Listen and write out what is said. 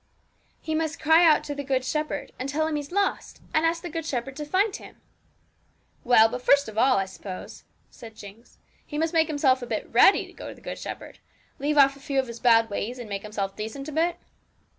'He must cry out to the Good Shepherd, and tell Him he's lost, and ask the Good Shepherd to find him.' 'Well, but first of all, I suppose,' said Jinx, 'he must make himself a bit ready to go to the Good Shepherd leave off a few of his bad ways, and make himself decent a bit?'